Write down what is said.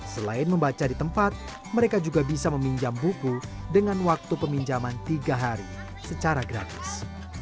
selain membaca di tempat mereka juga bisa meminjam buku dengan waktu peminjaman tiga hari secara gratis